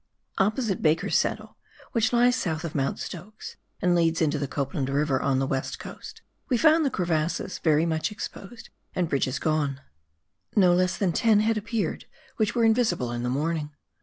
Opposite Baker's Saddle — which lies south of Mount Stokes, and leads into the Copland River on the West Coast — we found the crevasses very much exposed and bridges gone, no less than TASMAN DISTRICT, 25 ten had appeared which were invisible in the morning.